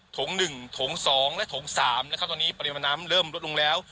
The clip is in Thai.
โถง๑ถง๒และโถง๓นะครับตอนนี้ปริมาณน้ำเริ่มลดลงแล้ว